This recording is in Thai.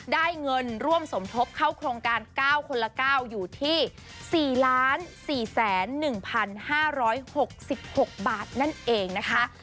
ได้เงินร่วมสมทบเข้าโครงการ๙คนละ๙อยู่ที่๔๔๑๕๖๖บาทนั่นเองนะคะ